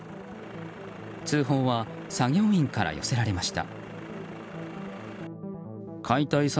通報は作業員から寄せられました。